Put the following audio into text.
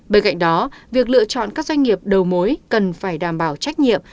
bên cạnh đó việc lựa chọn các doanh nghiệp đầu mối cần phải đảm bảo trách nhiệm